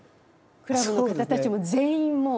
クラブの方たちも全員もう。